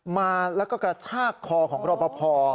มาแล้วก็กระชากคอของรอปภ